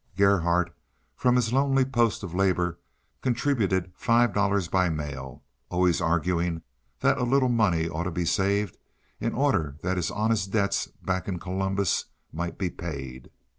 Gerhardt, from his lonely post of labor, contributed five dollars by mail, always arguing that a little money ought to be saved in order that his honest debts back in Columbus might be paid.